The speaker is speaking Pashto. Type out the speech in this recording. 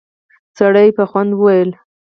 سړي په خوند وويل: